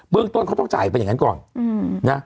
เรื่องต้นเขาต้องจ่ายไปอย่างนั้นก่อนนะ